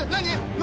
何？